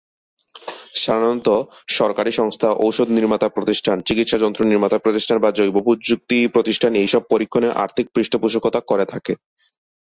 সাধারণত সরকারি সংস্থা, ঔষধ নির্মাতা প্রতিষ্ঠান, চিকিৎসা-যন্ত্র নির্মাতা প্রতিষ্ঠান বা জৈবপ্রযুক্তি প্রতিষ্ঠান এইসব পরীক্ষণের আর্থিক পৃষ্ঠপোষকতা করে থাকে।